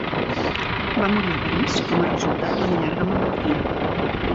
Va morir a París com a resultat d'una llarga malaltia.